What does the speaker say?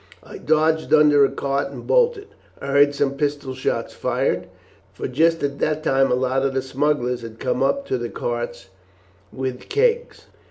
I dodged under a cart and bolted. I heard some pistol shots fired, for just at that time a lot of the smugglers had come up to the carts with kegs.